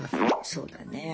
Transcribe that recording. そうだね。